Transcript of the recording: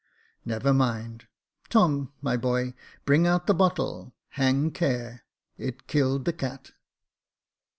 Never mind — Tom, my boy, bring out the bottle — hang care : it killed the cat."